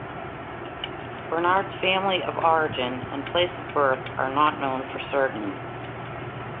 Bernard's family of origin and place of birth are not known for certain.